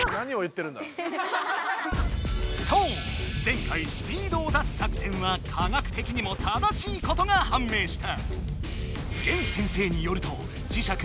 前回スピードを出す作戦は科学的にも正しいことがはんめいした！